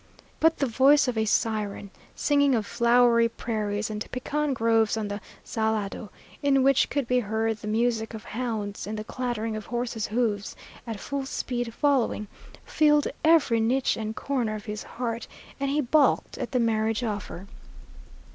But the voice of a siren, singing of flowery prairies and pecan groves on the Salado, in which could be heard the music of hounds and the clattering of horses' hoofs at full speed following, filled every niche and corner of his heart, and he balked at the marriage offer.